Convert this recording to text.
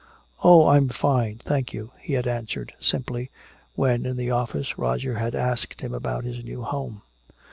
"Oh, I'm fine, thank you," he had answered simply, when in the office Roger had asked him about his new home.